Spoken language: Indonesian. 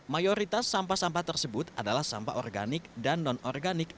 mayoritas sampah sampah tersebut adalah sampah organik dan non organik